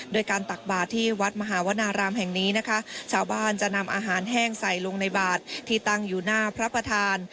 โดยการตักบาทที่วัดมหาวนารามแห่งนี้นะคะชาวบ้านจะนำอาหารแห้งใส่ลงในบาทที่ตั้งอยู่หน้าพระประธาน